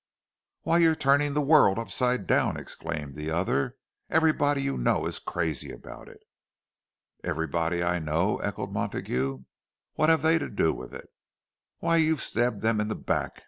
"Why, you're turning the world upside down!" exclaimed the other. "Everybody you know is crazy about it." "Everybody I know!" echoed Montague. "What have they to do with it?" "Why, you've stabbed them in the back!"